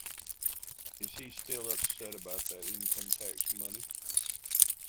Is he still upset about that income-tax money?